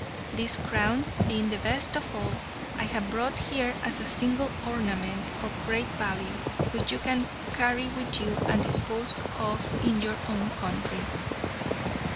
This crown, being the best of all, I have brought here as a single ornament of great value, which you can carry with you and dispose of in your own country."